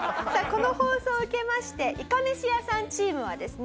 この放送を受けましていかめし屋さんチームはですね